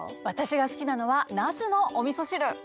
私が好きなのはなすのおみそ汁。